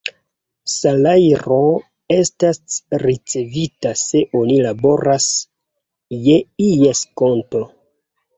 Salajro estas ricevita se oni laboras je ies konto.